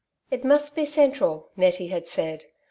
'' It most be central," Nettie had said.